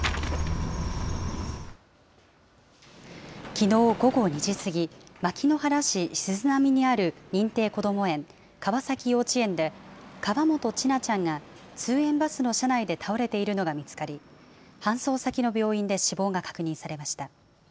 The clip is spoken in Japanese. きのう午後２時過ぎ、牧之原市静波にある認定こども園、川崎幼稚園で、河本千奈ちゃんが通園バスの車内で倒れているのが見つかり、搬送先の病院で死亡が確認されました。